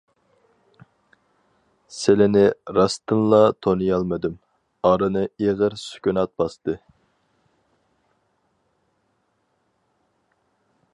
- سىلىنى راستتىنلا تونۇيالمىدىم! ئارىنى ئېغىر سۈكۈنات باستى.